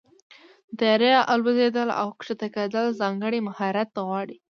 د طیارې الوزېدل او کښته کېدل ځانګړی مهارت غواړي.